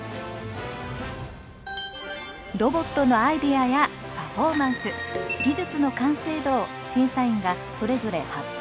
ロボットのアイデアやパフォーマンス技術の完成度を審査員がそれぞれ８点で採点。